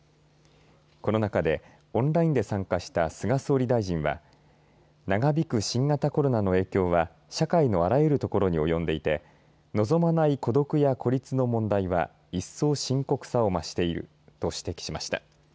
この中でオンラインで参加した菅総理大臣は長引く新型コロナの影響は社会のあらゆるところにおよんでいて望まない孤独や孤立の問題は一層深刻さを増していると指摘しました。